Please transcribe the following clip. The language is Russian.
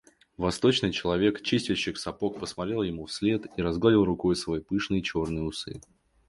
Восточный человек, чистильщик сапог, посмотрел ему вслед и разгладил рукой свои пышные черные усы.